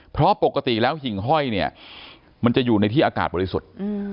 เพราะปกติแล้วหิ่งห้อยเนี่ยมันจะอยู่ในที่อากาศบริสุทธิ์